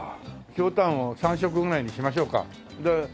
ひょうたんを３色ぐらいにしましょうか。